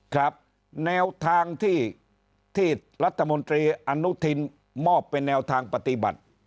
ครับแนวทางที่รัฐมนตรีอนุทินมอบเป็นแนวทางปฏิบัติ